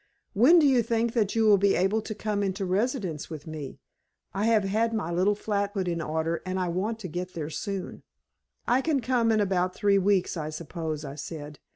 "When do you think that you will be able to come into residence with me? I have had my little flat put in order, and I want to get there soon." "I can come in about three weeks, I suppose," I said.